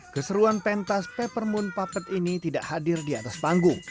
keseruan pentas peppermint puppet ini tidak hadir di atas panggung